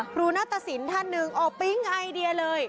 ครูหน้าตะสินท่านหนึ่งออปปิ้งไอเดียเลย